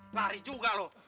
lari juga lo